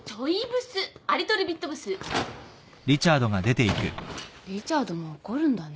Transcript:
リチャードも怒るんだね。